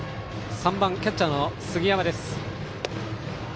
３番キャッチャーの杉山。